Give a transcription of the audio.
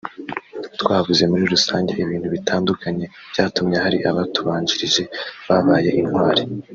twavuze muri rusange ibintu bitandukanye byatumye hari abatubanjirije babaye intwari